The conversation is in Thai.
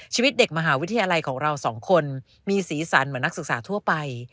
ชีวิตเด็กมหาวิทยาลัยของเราสองคนมีสีสันเหมือนนักศึกษาทั่วไป